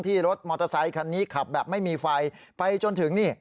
รถมอเตอร์ไซคันนี้ขับแบบไม่มีไฟไปจนถึงนี่